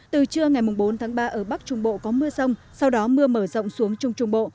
từ trưa ngày bốn tháng ba ở bắc trung bộ có mưa rông sau đó mưa mở rộng xuống trung trung bộ